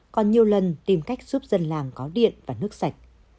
còn nhiều lần tìm cách giúp dân làng có điện và nước sạch